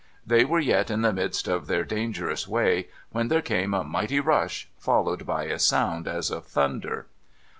They were yet in the midst of their dangerous way, when there came a mighty rush, followed by a sound as of thunder.